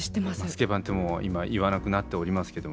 「スケバン」ってもう今言わなくなっておりますけども。